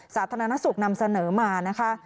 สาธารณสุขนำเสนอมานะคะ